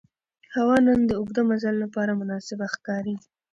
هوا نن د اوږده مزل لپاره مناسبه ښکاري